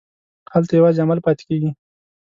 هلته یوازې عمل پاتې کېږي.